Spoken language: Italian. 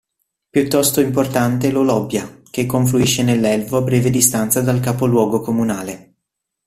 Piuttosto importante è l'Olobbia, che confluisce nell'Elvo a breve distanza dal capoluogo comunale.